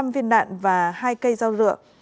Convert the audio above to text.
năm viên đạn và hai cây dao rượu